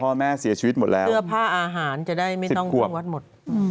พ่อแม่เสียชีวิตหมดแล้วเสื้อผ้าอาหารจะได้ไม่ต้องเครื่องวัดหมด